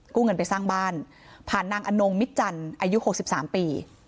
เงินไปสร้างบ้านผ่านนางอนงมิตจันทร์อายุ๖๓ปี